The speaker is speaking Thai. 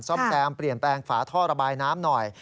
ซ่อมแซมเปลี่ยนแปลงฝาท่อระบายน้ำหน่อย